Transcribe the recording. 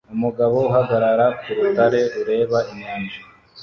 Umugabo ahagarara ku rutare rureba inyanja